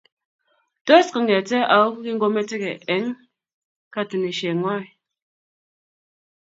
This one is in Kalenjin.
Tos, kingete au kingometegei eng katunishiengwong?